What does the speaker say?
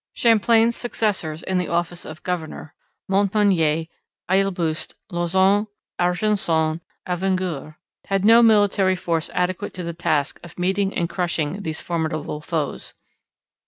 Champlain's successors in the office of governor, Montmagny, Ailleboust, Lauzon, Argenson, Avaugour, had no military force adequate to the task of meeting and crushing these formidable foes.